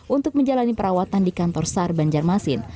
untuk menjalani perawatan di kantor sar banjarmasin